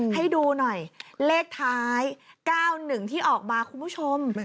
ให้ดูหน่อยเลขท้าย๙๑ที่ออกมาคุณผู้ชม